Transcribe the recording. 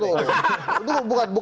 tunggu tunggu tunggu